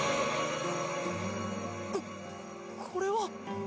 ここれは！？